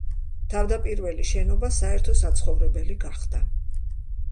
თავდაპირველი შენობა საერთო საცხოვრებელი გახდა.